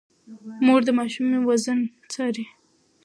مور د ماشومانو وزن څاري.